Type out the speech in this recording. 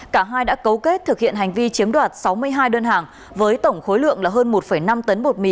cả hai đã cấu kết thực hiện hành vi chiếm đoạt sáu mươi hai đơn hàng với tổng khối lượng là hơn một năm tấn bột mì